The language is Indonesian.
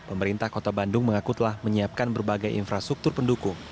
pemerintah kota bandung mengaku telah menyiapkan berbagai infrastruktur pendukung